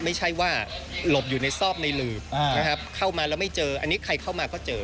ไม่ใช่ว่าหลบอยู่ในซอกในหลืบนะครับเข้ามาแล้วไม่เจออันนี้ใครเข้ามาก็เจอ